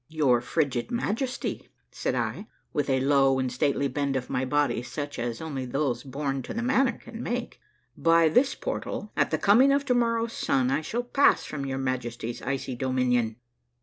"Your frigid Majesty," said I, with a low and stately bend of my body such as only those born to the manner can make, "by this portal, at the coming of to morrow's sun, I shall pass from your Majesty's icy dominion!"